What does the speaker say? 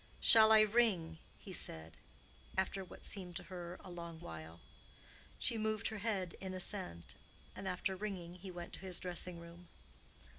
"Shall I ring?" he said, after what seemed to her a long while. She moved her head in assent, and after ringing he went to his dressing room.